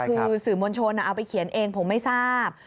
คือสื่อมวลชนเอาไปเขียนเองผมไม่ทราบ